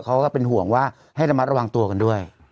เขาก็เป็นห่วงว่าให้ระมัดระวังตัวกันด้วย